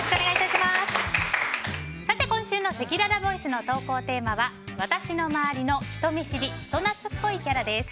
今週のせきららボイスの投稿テーマは私の周りの人見知り・人懐っこいキャラです。